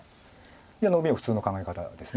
いやノビは普通の考え方です。